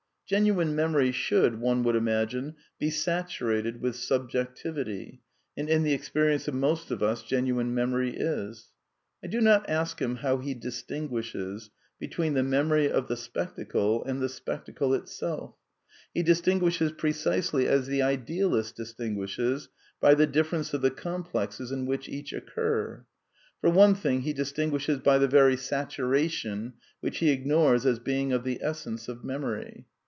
Genuine memory should, one would imagine, be / saturated with subjectivity, and in the experience of most of us genuine memory is. I do not ask him how he dis tinguishes between the memory of the spectacle and the spectacle itself; he distinguishes precisely as the idealist V\ distinguishes, by the difference of the complexes in whiclr * each occur; for one thing, he distinguishes by the very saturation which he ignores as being of the essence of memory.